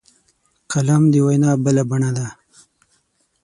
قلم د وینا بله بڼه ده